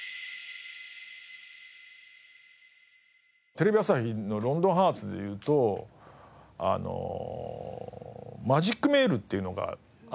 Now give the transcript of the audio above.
テレビ朝日の『ロンドンハーツ』でいうと「マジックメール」っていうのがあるんですけど。